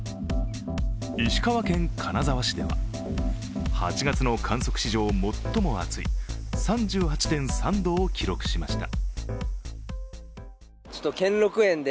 石川県金沢市では８月の観測史上最も暑い３８．３度を記録しました。